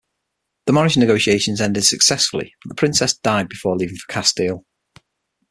The marriage negotiations ended successfully, but the princess died before leaving for Castile.